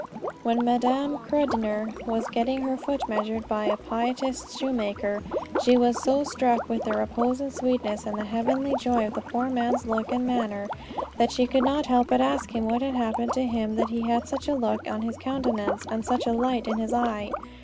When Madame Krudener was getting her foot measured by a pietist shoemaker, she was so struck with the repose and the sweetness and the heavenly joy of the poor man's look and manner that she could not help but ask him what had happened to him that he had such a look on his countenance and such a light in his eye.